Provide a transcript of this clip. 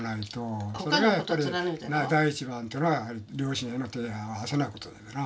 それがやっぱり第一番というのは両親への手を合わせない事だからな。